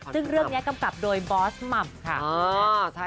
ซึ่งเรื่องนี้กำกับโดยบอสม่ำค่ะ